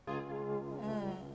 うん。